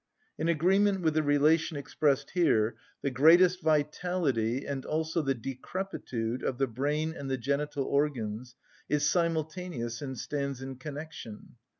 In agreement with the relation expressed here, the greatest vitality, and also the decrepitude of the brain and the genital organs, is simultaneous and stands in connection.